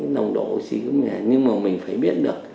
nồng độ oxy của máy nhưng mà mình phải biết được